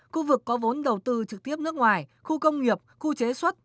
khu vực có vốn đầu tư trực tiếp nước ngoài khu công nghiệp khu chế xuất